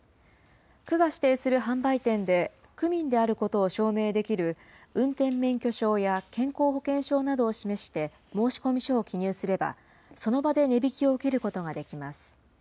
区が指定する販売店で区民であることを証明できる運転免許証や健康保険証などを示して、申込書を記入すれば、その場で値引きを受けることができます。